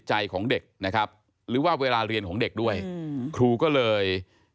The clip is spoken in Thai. สิ่งที่น้องเพื่อนสนิทเขาอาหารที่เขาเจอมาณช่วงนี้ก็คือในเรื่องของการเรียนโฟนมือ